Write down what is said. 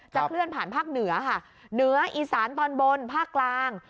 เคลื่อนผ่านภาคเหนือค่ะเหนืออีสานตอนบนภาคกลาง